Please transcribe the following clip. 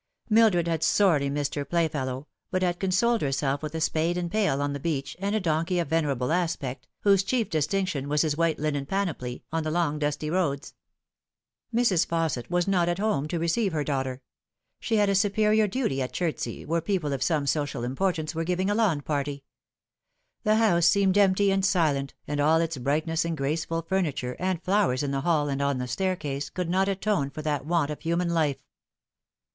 Mildred had sorely missed her playfellow, but had consoled herself with a spade and pail on the beach, and a donkey of venerable aspect, whose chief distinction was his white linen panoply, on the long dusty roads. Mrs. Fausset was not at home to receive her daughter. She had a superior duty at Chertsey, where people of some social importance were giving a lawn party. The house seemed empty and silent, and all its brightness and graceful furniture, and flowers in the hall and on the staircase, could not atone for that want of human life.